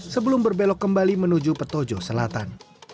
sebelum berbelok kembali menuju petojo selatan